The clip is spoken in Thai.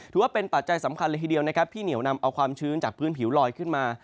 ปัจจัยสำคัญเลยทีเดียวนะครับที่เหนียวนำเอาความชื้นจากพื้นผิวลอยขึ้นมา